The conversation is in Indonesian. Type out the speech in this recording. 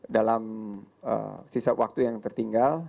dalam sisa waktu yang tertinggal